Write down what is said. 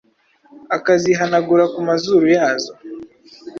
akazihanagura ku mazuru yazo